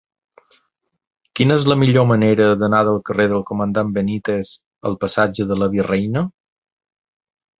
Quina és la millor manera d'anar del carrer del Comandant Benítez al passatge de la Virreina?